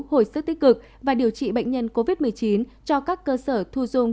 hồi sức tích cực và điều trị bệnh nhân covid một mươi chín cho các cơ sở thu dung